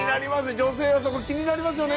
女性はそこ気になりますよね。